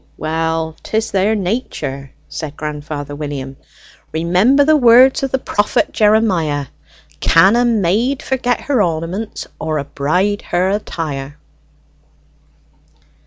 "Well, 'tis their nature," said grandfather William. "Remember the words of the prophet Jeremiah: 'Can a maid forget her ornaments, or a bride her attire?'"